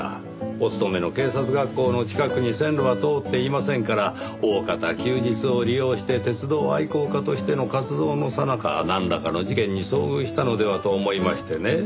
お勤めの警察学校の近くに線路は通っていませんからおおかた休日を利用して鉄道愛好家としての活動のさなかなんらかの事件に遭遇したのではと思いましてね。